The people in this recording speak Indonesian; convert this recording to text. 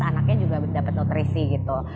anaknya juga dapat nutrisi gitu